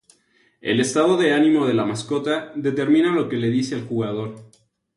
El estado de ánimo de la mascota determina lo que le dice al jugador.